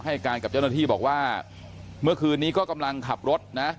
ให้การกับเจ้าหน้าที่บอกว่าเมื่อคืนนี้ก็กำลังขับรถนะ